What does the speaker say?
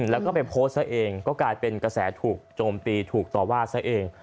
แล้วก็ไปโพสต์ซะเองก็กลายเป็นกระแสถูกโจมตีถูกต่อว่าซะเอง